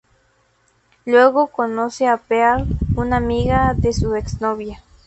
Luego conoce a Pearl, una amiga de su ex-novia.